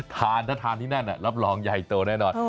ทานถ้าทานที่นั่นรับรองใหญ่โตแน่นอน